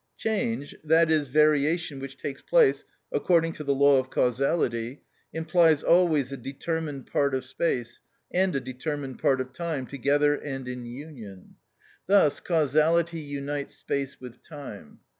Change, i.e., variation which takes place according to the law of causality, implies always a determined part of space and a determined part of time together and in union. Thus causality unites space with time.